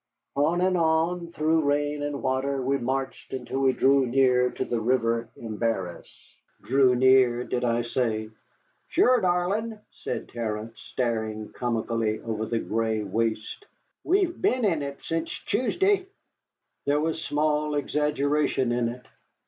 On and on, through rain and water, we marched until we drew near to the river Embarrass. Drew near, did I say? "Sure, darlin'," said Terence, staring comically over the gray waste, "we've been in it since Choosd'y." There was small exaggeration in it.